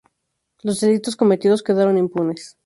Los delitos cometidos quedaron impunes.